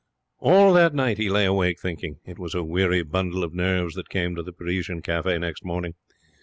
All that night he lay awake, thinking. It was a weary bundle of nerves that came to the Parisian Cafe next morning.